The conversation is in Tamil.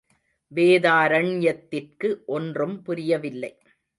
வேதாரண்யத்திற்கு ஒன்றும் புரியவில்லை.